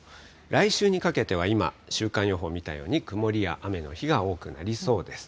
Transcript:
来週にかけては今、週間予報見たように、曇りや雨の日が多くなりそうです。